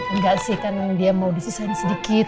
enggak sih karena dia mau disesain sedikit